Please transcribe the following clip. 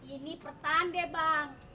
ini pertanda bang